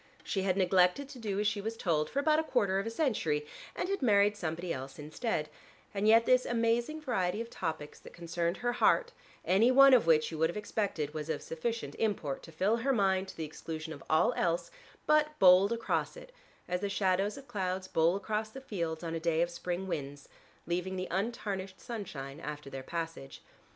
She had neglected to do as she was told for about a quarter of a century, and had married somebody else instead, and yet this amazing variety of topics that concerned her heart, any one of which, you would have expected, was of sufficient import to fill her mind to the exclusion of all else, but bowled across it, as the shadows of clouds bowl across the fields on a day of spring winds, leaving the untarnished sunshine after their passage.